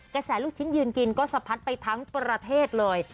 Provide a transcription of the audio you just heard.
แสลูกชิ้นยืนกินก็สะพัดไปทั้งประเทศเลย